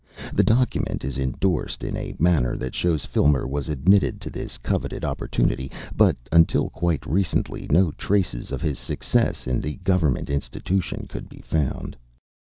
The document is endorsed in a manner that shows Filmer was admitted to this coveted opportunity; but until quite recently no traces of his success in the Government institution could be found.